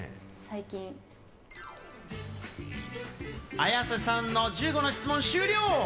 綾瀬さんの１５の質問、終了！